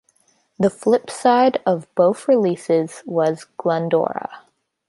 The flip side of both releases was "Glendora".